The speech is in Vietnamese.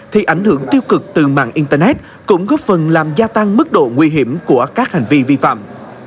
thì ảnh hưởng tiêu cực từ mạng internet cũng góp phần làm gia tăng mức độ nguy hiểm của các hành vi vi phạm